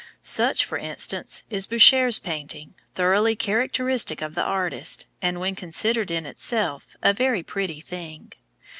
Such, for instance, is Boucher's painting, thoroughly characteristic of the artist, and, when considered in itself, a very pretty thing.